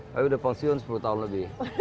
tapi udah pensiun sepuluh tahun lebih